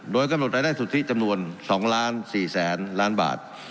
โดยกำหนดลักษณะได้สุทธิจำนวน๒๔๐ล้านบาท